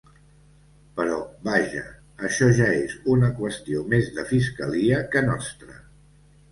Però, vaja, això ja és una qüestió més de fiscalia que nostra.